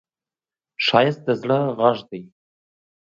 ښایست د زړه غږ دی